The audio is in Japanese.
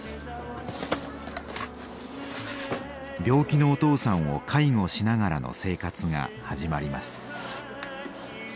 病気のお父さんを介護しながらの生活が始まります。